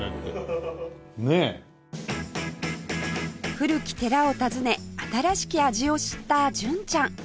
古き寺を訪ね新しき味を知った純ちゃん